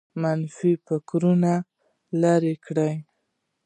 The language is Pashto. منفي فکرونه لرې کړئ